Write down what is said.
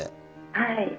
はい。